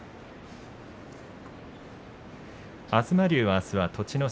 東龍は、あすは栃ノ